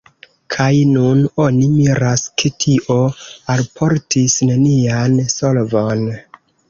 Kaj nun oni miras, ke tio alportis nenian solvon.